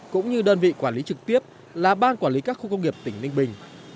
cũng như đơn vị quản lý trực tiếp là ban quản lý các khu công nghiệp tỉnh ninh bình